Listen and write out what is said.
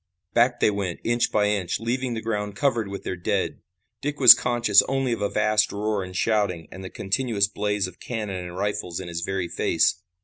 Back they went, inch by inch, leaving the ground covered with their dead. Dick was conscious only of a vast roar and shouting and the continuous blaze of cannon and rifles in his very face.